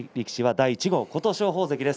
第１号は琴勝峰関です。